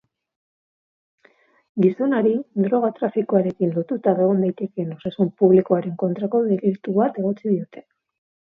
Gizonari droga-trafikoarekin lotuta egon daitekeen osasun publikoaren kontrako delitu bat egotzi diote.